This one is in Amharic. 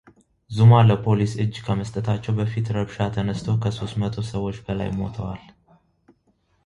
ዙማ ለፖሊስ እጅ ከመስጠታቸው በፊት ረብሻ ተነስቶ ከ ሶስት መቶ ሰዎች በላይ ሞተዋል።